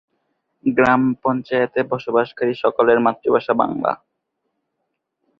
গ্রাম পঞ্চায়েতে বসবাসকারী সকলের মাতৃভাষা বাংলা।